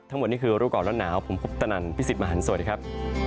ทั้งหมดนี้คือรูปกรณ์ร้อนหนาวผมพบตนันพี่สิทธิ์มหันโสดีครับ